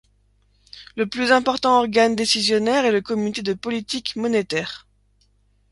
Le plus important organe décisionnaire est le comité de politique monétaire.